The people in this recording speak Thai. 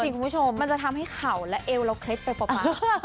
จริงทุกคุณมันจะทำให้ข่าวเอวเราเคล็ดไปประมาท